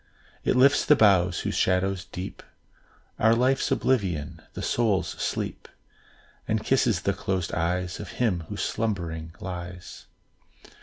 It lifts the boughs, whose shadows deep Are Life's oblivion, the soul's sleep, And kisses the closed eyes Of him, who slumbering lies.